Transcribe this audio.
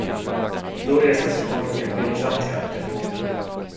Då reste sig pojken och gick fram till Akka.